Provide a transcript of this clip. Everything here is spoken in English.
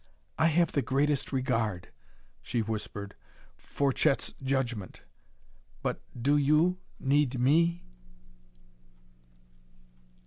"I have the greatest regard," she whispered, "for Chet's judgement. But do you need me?"